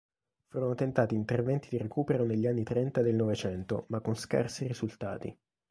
Furono tentati interventi di recupero negli anni trenta del Novecento, ma con scarsi risultati.